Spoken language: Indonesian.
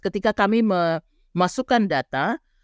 ketika kami memasukkan data